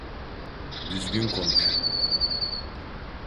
Düzgün konuş.